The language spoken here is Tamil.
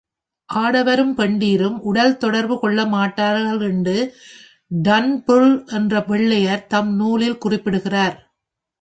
ஆடவரும் பெண்டிரும் உடல் தொடர்பு கொள்ளமாட்டார்கள் என்று டர்ன்புல் என்ற வெள்ளையர் தம் நூலில் குறிப்பிடுகிறார்.